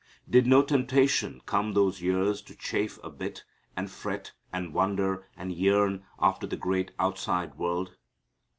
Did no temptation come those years to chafe a bit and fret and wonder and yearn after the great outside world?